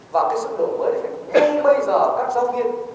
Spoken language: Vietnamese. và cái sức đồng mới thì phải ngay bây giờ các giáo viên